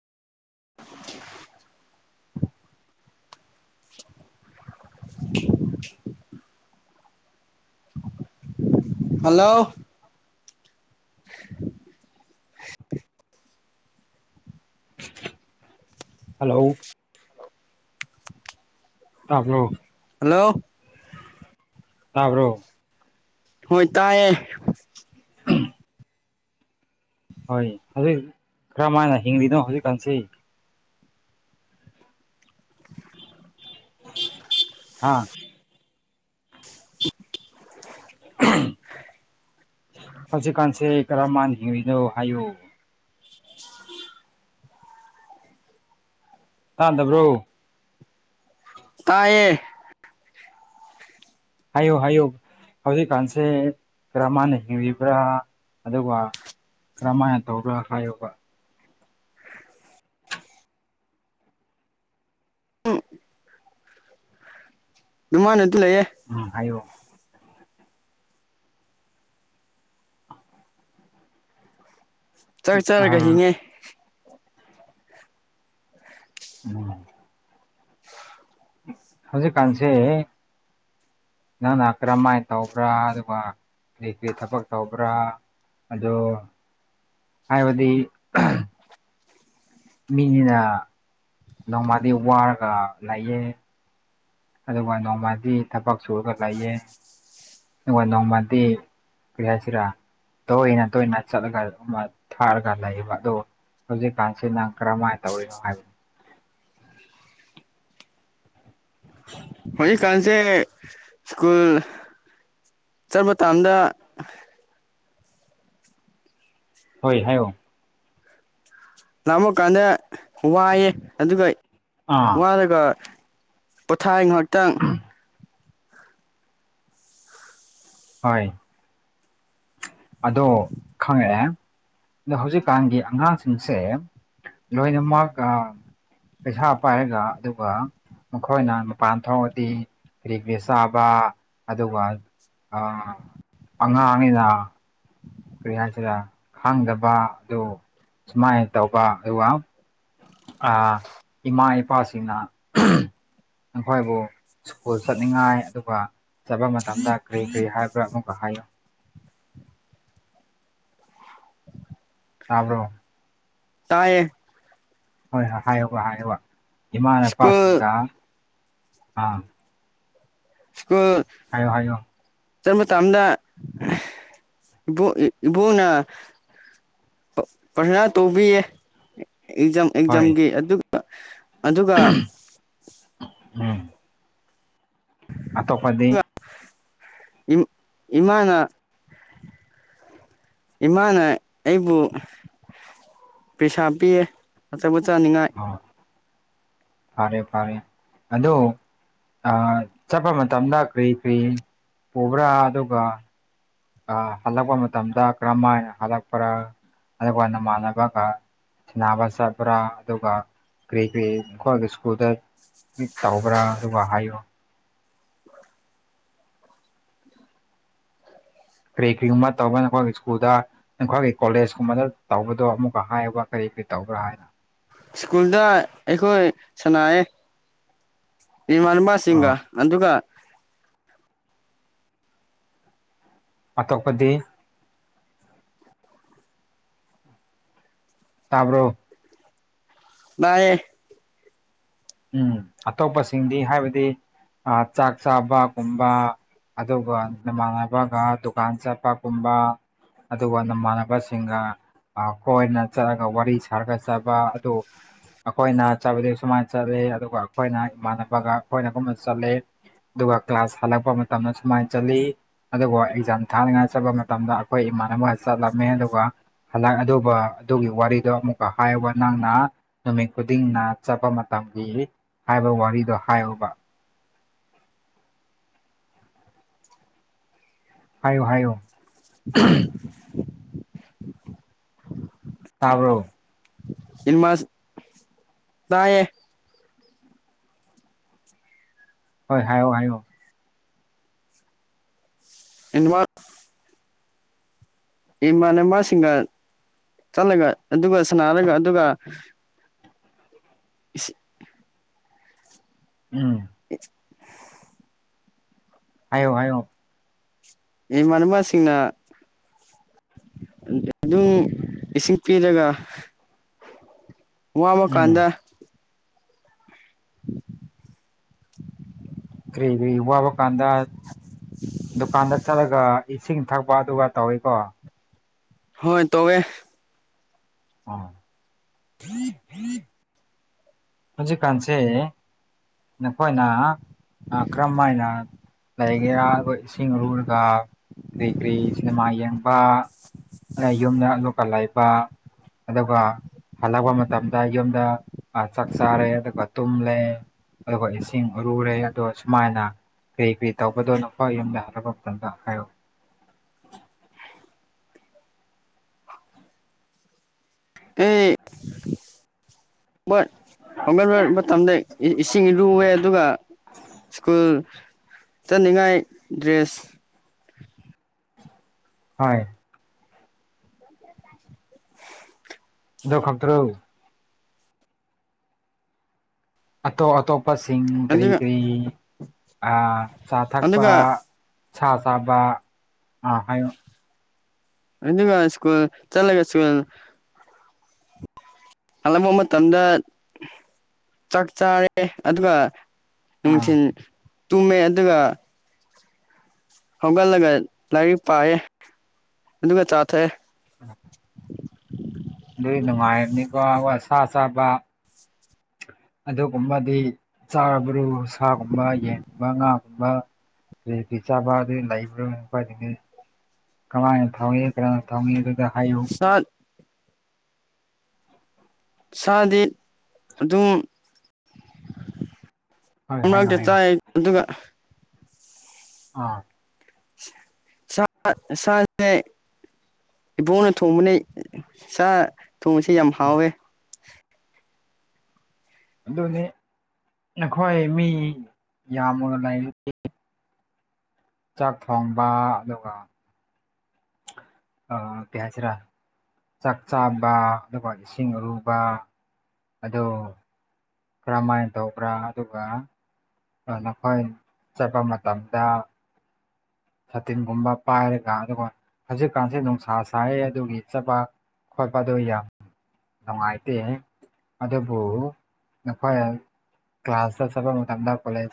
[inaudible] hello [inaudible] hello ꯇꯥꯕ꯭ꯔꯣ hello ꯇꯥꯕ꯭ꯔꯣ ꯍꯣꯏ ꯇꯥꯏꯌꯦ ꯍꯣꯏ ꯍꯧꯖꯤꯛ ꯀ꯭ꯔꯝ ꯃꯥꯏꯅ ꯍꯤꯡꯂꯤꯅꯣ ꯍꯧꯖꯤꯛꯀꯥꯟꯁꯤ [inaudible] ꯍꯥꯥ ꯍꯧꯖꯤꯛꯀꯥꯟꯁꯦ ꯀꯔ ꯃꯥꯏꯅ ꯍꯤꯡꯂꯤꯅꯣ ꯍꯥꯏꯌꯨ ꯇꯥꯗꯕ꯭ꯔꯣ ꯇꯥꯏꯌꯦ ꯍꯥꯏꯌꯨ ꯍꯥꯏꯌꯨ ꯍꯧꯖꯤꯛꯀꯥꯟꯁꯦ ꯀꯔ ꯃꯥꯏꯅ ꯍꯤꯡꯂꯤꯕ꯭ꯔꯥ ꯑꯗꯨꯒ ꯀꯔꯝꯃꯥꯏꯅ ꯇꯧꯕ꯭ꯔ ꯍꯥꯏꯌꯣꯕ ꯅꯨꯡꯉꯥꯏꯅꯇꯨ ꯂꯩꯌꯦ ꯎꯝ ꯍꯥꯏꯌꯣ ꯆꯠ ꯑ ꯆꯠꯔꯒ ꯍꯤꯡꯉꯦ ꯎꯝ ꯍꯧꯖꯤꯛꯀꯥꯟꯁꯦ ꯑꯦ ꯅꯪꯅ ꯀꯔꯝꯃꯥꯏ ꯇꯧꯕ꯭ꯔꯥ ꯑꯗꯨꯒ ꯀꯩꯀꯩ ꯊꯕꯛ ꯇꯧꯕ꯭ꯔꯥ ꯑꯗꯣ ꯍꯥꯏꯕꯗꯤ ꯃꯤꯅꯤꯅ ꯅꯣꯡꯃꯗꯤ ꯋꯥꯔꯒ ꯂꯩꯌꯦ ꯑꯗꯨꯒ ꯅꯣꯡꯃꯗꯤ ꯊꯕꯛ ꯁꯨꯔꯒ ꯂꯩꯌꯦ ꯑꯋꯥ ꯅꯣꯡꯃꯗꯤ ꯀꯔꯤ ꯍꯥꯏꯁꯤꯔ ꯇꯣꯏꯅ ꯇꯣꯏꯅ ꯆꯠꯂꯒ ꯃꯥ ꯊꯥꯔꯒ ꯂꯩꯌꯦꯕ ꯑꯗꯣ ꯍꯧꯖꯤꯛꯀꯥꯟꯁꯤ ꯅꯪ ꯀꯔꯝꯃꯥꯏ ꯇꯧꯔꯤꯅꯣ ꯍꯥꯏ ꯍꯧꯖꯤꯛꯀꯥꯟꯁꯦ ꯁ꯭ꯀꯨꯜ ꯆꯠ ꯃꯇꯝꯗ ꯍꯣꯏ ꯍꯥꯏꯌꯣ ꯂꯥꯃꯀꯥꯟꯗ ꯈꯨꯋꯥꯏꯑꯦ ꯑꯗꯨꯒ ꯑꯥ ꯋꯥꯔꯒ ꯄꯣꯊꯥꯏ ꯉꯥꯍꯥꯛꯇꯪ ꯍꯣꯏ ꯑꯗꯣ ꯈꯪꯉꯛꯑꯦ ꯗꯣ ꯍꯧꯖꯤꯛꯀꯥꯟꯒꯤ ꯑꯉꯥꯡꯁꯤꯡꯁꯦ ꯂꯣꯏꯅꯃꯛ ꯑꯥ ꯄꯩꯁꯥ ꯄꯥꯏꯔꯒ ꯑꯗꯨꯒ ꯃꯈꯣꯏꯅ ꯃꯄꯥꯟ ꯊꯣꯛꯑꯗꯤ ꯀ꯭ꯔꯤ ꯀ꯭ꯔꯤ ꯆꯥꯕ ꯑꯗꯨꯒ ꯑꯥ ꯑꯉꯥꯡꯅꯤꯅ ꯀꯔꯤ ꯍꯥꯏꯁꯤꯔ ꯈꯪꯗꯕ ꯗꯣ ꯁꯨꯃꯥꯏ ꯇꯧꯕ [unintelligible] ꯑꯥ ꯏꯃꯥ ꯏꯄꯥꯁꯤꯡꯅ ꯅꯈꯣꯏꯕꯨ ꯁ꯭ꯀꯨꯜ ꯆꯠꯅꯤꯡꯉꯥꯏ ꯑꯗꯨꯒ ꯆꯠꯄ ꯃꯇꯝꯗ ꯀꯔꯤ ꯀꯔꯤ ꯍꯥꯏꯕ꯭ꯔꯥ ꯑꯃꯨꯛꯀ ꯍꯥꯏꯌꯨ ꯇꯥꯕ꯭ꯔꯣ ꯇꯥꯌꯦ ꯍꯣꯏ ꯍꯣꯏ ꯍꯥꯏꯌꯣꯕ ꯍꯥꯏꯌꯣꯕ ꯏꯃꯥ ꯁ꯭ꯀꯨꯜ ꯅꯄꯥꯁꯤꯡꯒ ꯑꯥ ꯁ꯭ꯀꯨꯜ ꯍꯥꯏꯌꯣ ꯍꯥꯏꯌꯣ ꯆꯠ ꯃꯇꯝꯗ ꯏꯕꯣ ꯑꯦ ꯏꯕꯣꯅ ꯄ꯭ꯔꯊꯅ ꯇꯧꯕꯤꯌꯦ ꯑꯦꯛꯖꯥꯝ ꯍꯣꯏ ꯑꯦꯛꯖꯥꯝꯒꯤ ꯑꯗꯨ ꯑꯗꯨꯒ ꯎꯝ ꯑꯇꯣꯞꯄꯗꯤ ꯏꯝ ꯏꯃꯥꯅ ꯏꯃꯥꯅ ꯑꯩꯕꯨ ꯄꯩꯁꯥ ꯄꯤꯌꯦ ꯑꯆꯥꯄꯣ ꯆꯥꯅꯤꯡꯉꯥꯏ ꯑꯣ ꯐꯔꯦ ꯐꯔꯦ ꯑꯗꯣ ꯑꯥ ꯆꯠꯄ ꯃꯇꯝꯗ ꯀ꯭ꯔꯤ ꯀ꯭ꯔꯤ ꯄꯨꯕ꯭ꯔꯥ ꯑꯗꯨꯒ ꯑꯥ ꯍꯜꯂꯛꯄ ꯃꯇꯝꯗ ꯀꯔꯝꯃꯥꯏꯅ ꯍꯜꯂꯛꯄ꯭ꯔꯥ ꯑꯗꯨꯒ ꯅꯃꯥꯟꯅꯕꯒ ꯁꯥꯅꯕ ꯆꯠꯄ꯭ꯔꯥ ꯑꯗꯨꯒ ꯀ꯭ꯔꯤ ꯀ꯭ꯔꯤ ꯈꯣꯏꯒꯤ ꯁ꯭ꯀꯨꯜꯗ ꯇꯧꯕ꯭ꯔꯥ ꯑꯗꯨꯒ ꯍꯥꯏꯌꯣ ꯀꯔꯤ ꯀ꯭ꯔꯤꯒꯨꯝꯕ ꯇꯧꯕꯅꯀꯣ ꯁ꯭ꯀꯨꯜꯗ ꯅꯈꯣꯏꯒꯤ ꯀꯣꯂꯦꯖ ꯀꯨꯝꯕꯗ ꯇꯧꯕꯗꯣ ꯑꯃꯨꯛꯀ ꯍꯥꯏꯌꯣꯕ ꯀꯔꯤ ꯀꯔꯤ ꯇꯧꯕ꯭ꯔꯥ ꯍꯥꯏꯅ ꯁ꯭ꯀꯨꯜꯗ ꯑꯩꯈꯣꯏ ꯁꯅꯥꯌꯦ ꯏꯃꯥꯟꯅꯕꯁꯤꯡꯒ ꯑꯣ ꯑꯗꯨꯒ ꯑꯇꯣꯞꯄꯗꯤ ꯇꯥꯕ꯭ꯔꯣ ꯇꯥꯌꯦ ꯎꯝ ꯑꯇꯣꯞꯄꯁꯤꯡꯗꯤ ꯍꯥꯏꯕꯗꯤ ꯑꯥ ꯆꯥꯛ ꯆꯥꯕꯒꯨꯝꯕ ꯑꯗꯨꯒ ꯅꯃꯥꯟꯅꯕꯒ ꯗꯨꯀꯥꯟ ꯆꯠꯄꯒꯨꯝꯕ ꯑꯗꯨꯒ ꯅꯃꯥꯟꯅꯕꯁꯤꯡꯒ ꯈꯣꯏꯅ ꯆꯠꯂꯒ ꯋꯥꯔꯤ ꯁꯥꯔꯒ ꯆꯥꯕ ꯑꯗꯨ ꯑꯩꯈꯣꯏꯅ ꯆꯥꯕꯗꯨ ꯑꯁꯨꯃꯥꯏꯅ ꯆꯠꯂ‌ꯦ ꯑꯗꯨꯒ ꯑꯩꯈꯣꯏꯅ ꯏꯃꯥꯟꯅꯕꯒ ꯑꯩꯈꯣꯏꯅꯒꯨꯝꯅ ꯆꯠꯂꯦ ꯑꯗꯨꯒ ꯀ꯭ꯂꯥꯁ ꯍꯜꯂꯛꯄ ꯃꯇꯝꯗ ꯁꯨꯃꯥꯏꯅ ꯆꯠꯂꯤ ꯑꯗꯨꯕꯨ ꯑꯦꯛꯖꯥꯝ ꯊꯥꯅꯤꯡꯉꯥꯏ ꯆꯠꯄ ꯃꯇꯝꯗ ꯑꯩꯈꯣꯏ ꯏꯃꯥꯟꯅꯕꯒ ꯆꯠꯂꯝꯃꯦ ꯑꯗꯨꯒ ꯍꯜꯂꯛ ꯑꯗꯨꯒ ꯑꯗꯨꯒꯤ ꯋꯥꯔꯤꯗꯣ ꯑꯃꯨꯛꯀ ꯍꯥꯏꯌꯕ ꯅꯪꯅ ꯅꯨꯃꯤꯠ ꯈꯨꯗꯤꯡꯅ ꯆꯠꯄ ꯇꯝꯕꯤꯔꯤ ꯍꯥꯏꯕ ꯋꯥꯔꯤꯗꯣ ꯍꯥꯏꯌ‌ꯣꯕ ꯍꯥꯏꯌꯣ ꯍꯥꯏꯌꯣ ꯇꯥꯕ꯭ꯔꯣ ꯏꯃꯥꯁ ꯇꯥꯏꯌ‌ꯦ ꯍꯣꯏ ꯍꯥꯏꯌ‌ꯣ ꯍꯥꯏꯌ‌ꯣ ꯏꯟꯃ ꯏꯃꯥꯟꯅꯕꯁꯤꯡꯒ ꯆꯠꯂꯒ ꯑꯗꯨꯒ ꯁꯟꯅꯔꯒ ꯑꯗꯨꯒ [unintelligible] ꯎꯝ [unintelligible] ꯍꯥꯏꯌꯣ ꯍꯥꯏꯌꯣ ꯏꯃꯥꯟꯅꯃ ꯁꯤꯡꯅ ꯑꯗꯨꯝ ꯏꯁꯤꯡ ꯄꯤꯔꯒ ꯋꯥꯃ ꯎꯝ ꯀꯥꯟꯗ [unintelligible] [inaudible] ꯀꯔꯤ ꯀꯔꯤ ꯋꯥꯕ ꯀꯥꯟꯗ ꯗꯨꯀꯥꯟꯗ ꯆꯠꯂꯒ ꯏꯁꯤꯡ ꯊꯛꯄ ꯑꯗꯨꯒ ꯇꯧꯋ‌ꯦꯀꯣ ꯍꯣꯏ ꯇꯧꯋ‌ꯦ ꯑꯣ ꯍꯧꯖꯤꯛꯀꯥꯟꯁꯦ ꯅꯈꯣꯏꯅ ꯀꯔꯝ ꯃꯥꯏꯅ ꯂꯩꯒꯦꯔꯥ ꯑꯩꯈ‌ꯣꯏ ꯏꯁꯤꯡ ꯂꯨꯔꯒ ꯀꯔꯤ ꯀꯔꯤ ꯁꯤꯅꯦꯃꯥ ꯌꯦꯡꯕ ꯌꯨꯝꯗ ꯑꯂꯨꯀꯂ ꯂꯩꯕ ꯑꯗꯨꯒ ꯍꯜꯂꯛꯄ ꯃꯇꯝꯗ ꯌꯨꯝꯗ ꯑ ꯆꯠ ꯆꯥꯔꯦ ꯑꯗꯨꯒ ꯇꯨꯝꯂꯦ ꯑꯗꯨꯒ ꯏꯁꯤꯡ ꯎꯔꯨꯔꯦ ꯑꯗꯣ ꯁꯨꯃꯥꯏꯅ ꯀꯔꯤ ꯀꯔꯤ ꯇꯧꯕꯗꯣ ꯅꯈ‌ꯣꯏ ꯌꯨꯝꯗ ꯍꯜꯛꯄ ꯃꯇꯝꯗ ꯍꯥꯏꯌ‌ꯣ ꯑꯦ ꯍꯣꯏ ꯍꯧꯒꯠꫪ ꯃꯇꯝꯗ ꯏꯁꯤꯡꯏꯔꯨꯑꯦ ꯑꯗꯨꯒ ꯁ꯭ꯀꯨꯜ ꯆꯠꯅꯤꯡꯉꯥꯏ ꯗ꯭ꯔꯦꯁ ꯍꯥꯏ [unintelligible] [inaudible] ꯑꯗ‌ꯣ ꯈꯛꯇ꯭ꯔꯣ ꯑꯇꯣꯞ ꯑꯇꯣꯞꯄꯁꯤꯡ ꯀꯔꯤ ꯑꯗꯨꯒ ꯀꯔꯤ ꯆꯥ ꯊꯛꯄ ꯑꯗꯨꯒ ꯁꯥ ꯆꯥꯕ ꯑ ꯍꯥꯏꯌꯣ ꯑꯗꯨꯒ ꯁꯀꯨꯜ ꯆꯠꯂꯒ ꯁꯀꯨꯜ ꯍꯥꯜꯂꯝꯕ ꯃꯇꯝꯗ ꯆꯥꯛ ꯆꯥꯔꯦ ꯑꯗꯨꯒ ꯑꯥ ꯅꯨꯡꯊꯤꯜ ꯇꯨꯝꯃꯦ ꯑꯗꯨꯒ ꯍꯧꯒꯠꯂꯒ ꯂꯥꯏꯔꯤꯛ ꯄꯥꯏꯌꯦ ꯑꯗꯨꯒ ꯆꯥ ꯊꯛꯑ‌ꯦ ꯎꯝ ꯑꯗꯨꯗꯤ ꯅꯨꯡꯉꯥꯏꯔꯝꯅꯤꯀꯣ ꯋꯥ ꯁꯥ ꯆꯥꯕ ꯑꯗꯨꯒꯨꯝꯕꯗꯤ ꯆꯥꯕꯔꯨ ꯁꯥꯒꯨꯝꯕ ꯌꯦꯟꯒꯨꯝꯕ ꯉꯥ ꯒꯨꯝꯕ ꯀꯔꯤ ꯀꯔꯤ ꯆꯥꯕꯗꯤ ꯂꯩꯕ꯭ꯔꯥ [unintelligible] ꯀꯃꯥꯏꯅ ꯊꯣꯡꯉꯤ ꯀꯅꯅꯥ ꯊꯣꯡꯉꯤ ꯑꯗꯨꯗ ꯍꯥꯏꯌꯨ ꯁꯥ ꯁꯥꯗꯤ ꯑꯗꯨꯝ ꯍꯣꯏ ꯍꯥꯏꯌꯣ [unintelligible] ꯍꯥꯏꯌꯣ ꯆꯥꯏ ꯑꯗꯨꯒ ꯑꯥ [unintelligible] ꯏꯕꯣꯡꯅ ꯊꯣꯡꯕꯅꯦ ꯁꯥ ꯊꯣꯡꯕꯁꯤ ꯌꯥꯝ ꯍꯥꯎꯋꯦ ꯑꯗꯨꯅꯤ ꯅꯈꯣꯏ ꯃꯤ ꯌꯥꯝꯃꯨ ꯂꯩ ꯆꯥꯛ ꯊꯣꯡꯕ ꯑꯗꯨꯒ ꯑꯥ [unintelligible] ꯆꯥꯛ ꯆꯥꯕ ꯑꯗꯨꯒ ꯏꯁꯤꯡ ꯑꯔꯨꯕ ꯑꯗꯨ ꯀꯔꯝꯃꯥꯏꯅ ꯇꯧꯕ꯭ꯔꯥ ꯑꯗꯨꯒ ꯑꯥ ꯅꯈꯣꯏ ꯆꯠꯄ ꯃꯇꯝꯗ ꯁꯥꯇꯤꯟꯒꯨꯝꯕ ꯄꯥꯏꯔꯒ ꯑꯗꯨꯒ ꯍꯧꯖꯤꯛꯀꯥꯟꯁꯦ ꯅꯨꯡꯁꯥ ꯁꯥꯏꯌꯦ ꯑꯗꯨꯒꯤ ꯆꯄꯥ ꯈꯣꯏꯄꯗꯨ ꯌꯥ ꯅꯨꯡꯉꯥꯏꯇꯦ ꯑꯗꯨꯕꯨ ꯅꯈꯣꯏ ꯀ꯭ꯂꯥꯁ ꯇꯥ ꯆꯠꯄꯥ ꯃꯇꯝꯗ ꯀꯣꯂꯦꯖ